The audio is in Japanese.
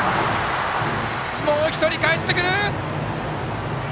もう１人かえってくる！